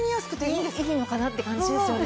いいのかなって感じですよね。